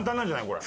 これ。